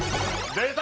出た！